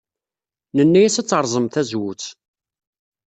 Nenna-as ad terẓem tazewwut.